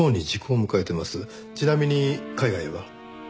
ちなみに海外へは？